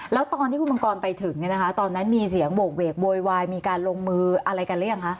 แล้วตอนที่คุณมังกรไปถึงเนี่ยนะคะตอนนั้นมีเสียงโหกเวกโวยวายมีการลงมืออะไรกันหรือยังคะ